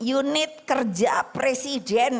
unit kerja presiden